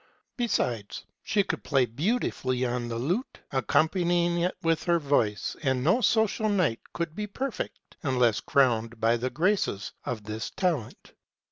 Besides, she could play beautifully on the lute, accompanying it with her voice ; and no social night could be perfect unless crowned by the graces of this talent.